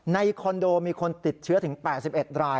คอนโดมีคนติดเชื้อถึง๘๑ราย